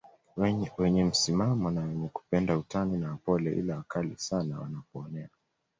wenye msimamo na wenye kupenda utani na wapole ila wakali sana wanapoonewa